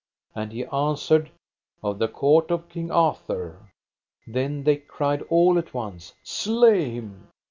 And he answered: Of the court of King Arthur. Then they cried all at once: Slay him.